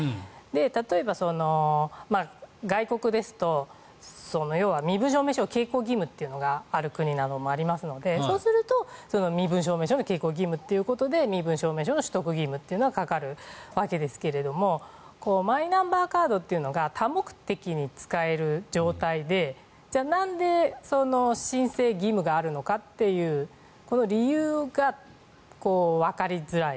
例えば、外国ですと要は身分証明書の携行義務がある国などもありますのでそうすると身分証明書の携行義務ということで身分証明書の取得義務がかかるわけですがマイナカードというのは多目的に使える状態でじゃあなんで申請義務があるのかというこの理由がわかりづらい。